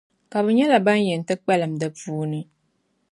Ka bɛ nyɛla ban yɛn ti kpalim di puuni.